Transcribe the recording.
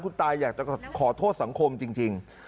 คุณตาอยากจะขอโทษสังคมจริง